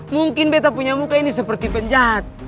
mungkin beta punya muka ini seperti penjahat